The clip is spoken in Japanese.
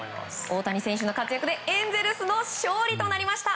大谷選手の活躍でエンゼルスの勝利となりました。